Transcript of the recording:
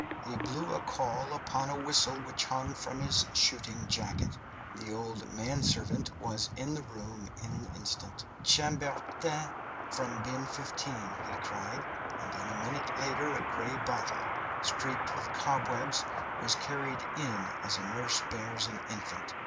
He blew a call upon a whistle which hung from his shooting jacket. The old manservant was in the room in an instant. "Chambertin from bin 15!" he cried, and a minute later a grey bottle, streaked with cobwebs, was carried in as a nurse bears an infant.